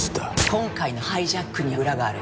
今回のハイジャックには裏がある。